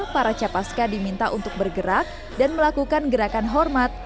para capaska diminta untuk bergerak dan melakukan gerakan hormat